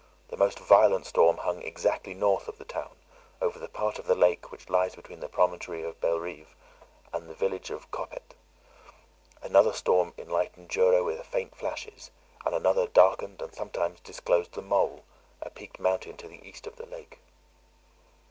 The most violent storm hung exactly north of the town, over the part of the lake which lies between the promontory of Belrive and the village of Copêt. Another storm enlightened Jura with faint flashes; and another darkened and sometimes disclosed the Môle, a peaked mountain to the east of the lake.